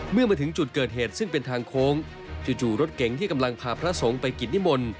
เมื่อมาถึงจุดเกิดเหตุซึ่งเป็นทางโค้งจู่รถเก๋งที่กำลังพาพระสงฆ์ไปกิจนิมนต์